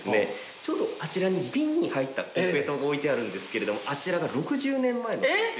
ちょうどあちらに瓶に入ったコンペイトーが置いてあるんですけれどもあちらが６０年前のコンペイトー。